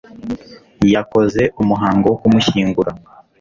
yakoze umuhango wo kumushyingura